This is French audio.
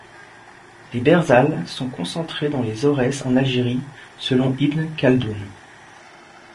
Les Berzals sont concentrés dans les Aurès en Algérie, selon Ibn Khaldoun.